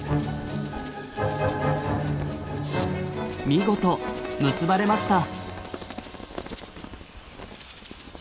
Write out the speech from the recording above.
見事結ばれました！